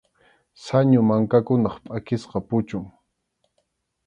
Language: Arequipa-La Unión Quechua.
Sañu mankakunap pʼakisqa puchun.